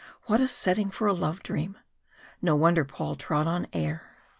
What a setting for a love dream. No wonder Paul trod on air!